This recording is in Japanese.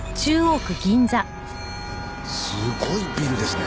すごいビルですね。